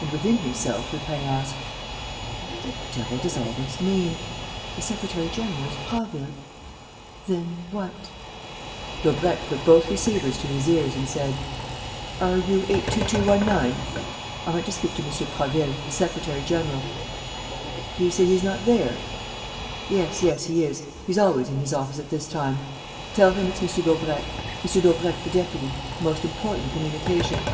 And, within himself, Lupin asked: "What the devil does all this mean? The secretary general is Prasville.... Then, what?..." Daubrecq put both receivers to his ears and said: "Are you 822.19? I want to speak to M. Prasville, the secretary general.... Do you say he's not there?... Yes, yes, he is: he's always in his office at this time.... Tell him it's M. Daubrecq.... M. Daubrecq the deputy ... a most important communication."